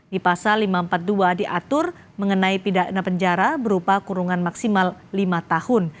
di pasal lima ratus empat puluh dua diatur mengenai pidana penjara berupa kurungan maksimal lima tahun